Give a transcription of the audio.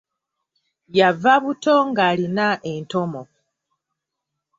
Yava buto ng'alina entomo.